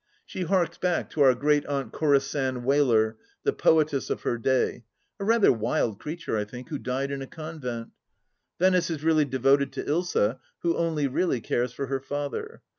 She harks back to our great Aunt Corisande Wheler, the poetess of her day — a rather wild creature, I think, who died in a convent. Venice is really devoted to Ilsa, who only really cares for her father.